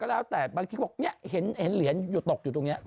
แล้วแต่บางทีเขาบอกเนี่ยเห็นเหรียญอยู่ตกอยู่ตรงนี้